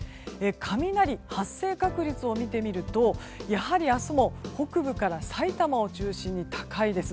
雷発生確率を見てみるとやはり明日も北部からさいたまを中心に高いです。